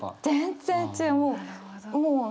全然違う。